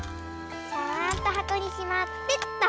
ちゃんとはこにしまってと。